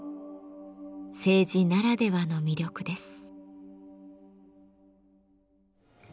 青磁ならではの魅力です。